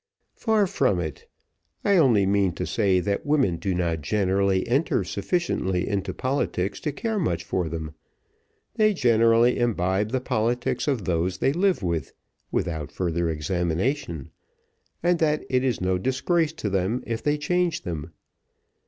"Far from it; I only mean to say that women do not generally enter sufficiently into politics to care much for them; they generally imbibe the politics of those they live with, without further examination, and that it is no disgrace to them if they change them.